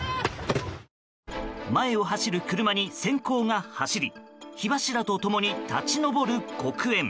前を走る車に閃光が走り火柱と共に立ち上る黒煙。